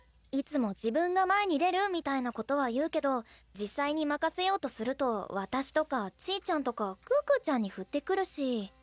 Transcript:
いつも自分が前に出るみたいなことは言うけど実際に任せようとすると私とかちぃちゃんとか可可ちゃんに振ってくるし。